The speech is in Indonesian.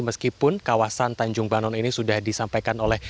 meskipun kawasan tanjung banon ini sudah disampaikan oleh